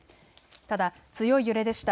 ただ、強い揺れでした。